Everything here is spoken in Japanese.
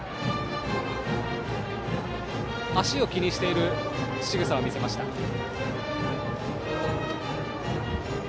足を気にしているしぐさを見せました、小室。